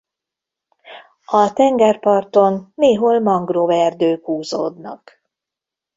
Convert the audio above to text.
A tengerparton néhol mangroveerdők húzódnak.